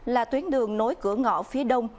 là tuyến đường nối cửa ngõ phía đông